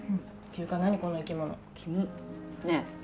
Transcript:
ていうか何この生き物キモっねえ